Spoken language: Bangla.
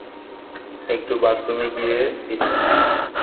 একটু বাথরুমে গিয়েছিলাম।